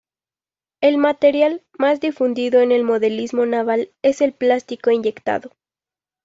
El material más difundido en el modelismo naval es el plástico inyectado.